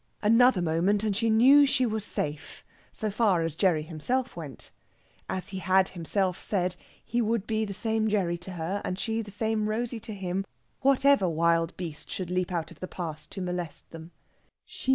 Another moment and she knew she was safe, so far as Gerry himself went. As he had himself said, he would be the same Gerry to her and she the same Rosey to him, whatever wild beast should leap out of the past to molest them.